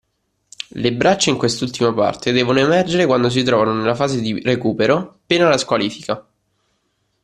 Le braccia in quest'ultima parte devono emergere quando si trovano nella fase di recupero, pena la squalifica.